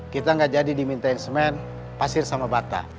kita nggak jadi dimintain semen pasir sama bata